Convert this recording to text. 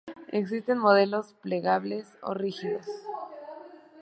Existen modelos plegables o rígidos.